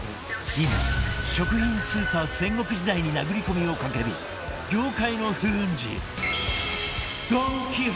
今食品スーパー戦国時代に殴り込みをかける業界の風雲児